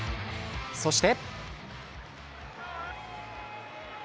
そして。